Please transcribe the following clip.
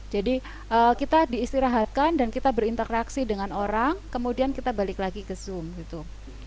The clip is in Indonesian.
jadi kita diistirahatkan dan kita berinteraksi dengan orang kemudian kita balik lagi ke zoom gitu